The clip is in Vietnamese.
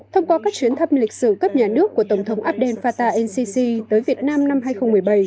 thông qua các chuyến thăm lịch sử cấp nhà nước của tổng thống abdel fattah el sisi tới việt nam năm hai nghìn một mươi bảy